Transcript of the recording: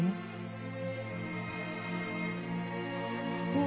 うん？